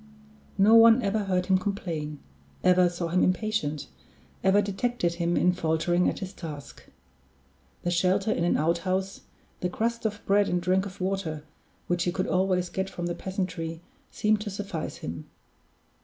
No one ever heard him complain, ever saw him impatient, ever detected him in faltering at his task. The shelter in an outhouse, the crust of bread and drink of water, which he could always get from the peasantry, seemed to suffice him.